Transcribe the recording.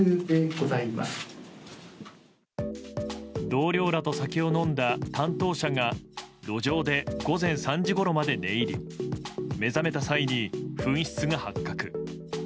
同僚らと酒を飲んだ担当者が路上で午前３時ごろまで寝入り目覚めた際に、紛失が発覚。